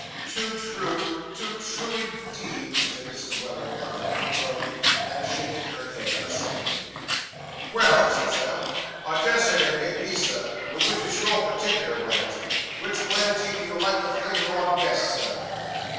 'Too true, too true, indeed,' said Mrs. Weller, murmuring a groan, and shaking her head assentingly. 'Well,' said Sam, 'I des say they may be, sir; but wich is your partickler wanity? Wich wanity do you like the flavour on best, sir?